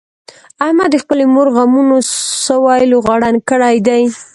احمد د خپلې مور غمونو سوی لوغړن کړی دی.